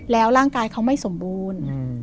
แล้วร่างกายเขาไม่สมบูรณ์